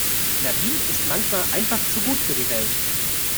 Nadine ist manchmal einfach zu gut für die Welt.